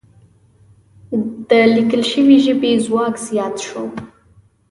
د لیکل شوې ژبې ځواک زیات شو.